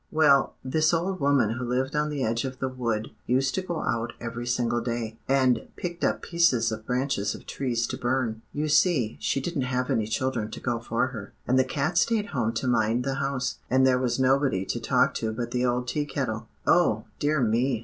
"Well, this old woman who lived on the edge of the wood used to go out every single day, and pick up pieces of branches of trees to burn. You see, she didn't have any children to go for her. And the cat stayed home to mind the house, and there was nobody to talk to but the old Tea Kettle." "Oh, dear me!"